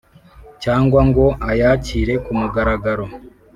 cyangwa ngo ayakire kumugaragaro.